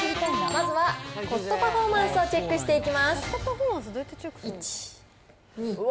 まずはコストパフォーマンスをチェックしていきます。